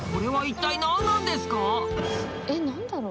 えっ何だろう？